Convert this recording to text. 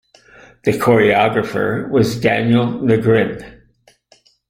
The choreographer was Daniel Nagrin.